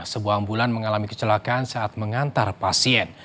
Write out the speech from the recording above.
sebuah ambulan mengalami kecelakaan saat mengantar pasien